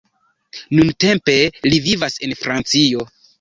Nuntempe li vivas en Francio.